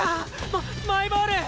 ママイボール！